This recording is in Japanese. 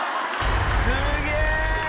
すげえ！